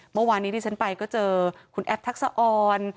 เมื่อวานนี้ที่ฉันไปก็เจอคุณแอฟทักษะออน